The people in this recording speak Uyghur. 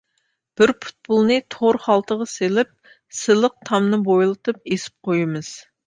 بىر پۇتبولنى تور خالتىغا سېلىپ سىلىق تامنى بويلىتىپ ئېسىپ قويىمىز.